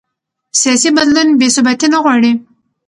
سیاسي بدلون بې ثباتي نه غواړي